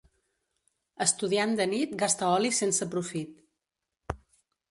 Estudiant de nit gasta oli sense profit.